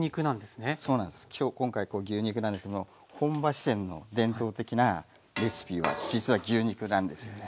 今日今回牛肉なんですけども本場四川の伝統的なレシピは実は牛肉なんですよね。